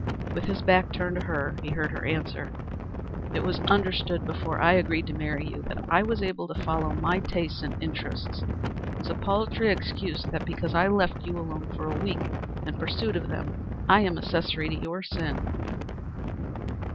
With his back turned to her he heard her answer: "It was understood before I agreed to marry you that I was to be free to follow my tastes and interests. It is a paltry excuse that, because I left you alone for a week in pursuit of them, I am accessory to your sin."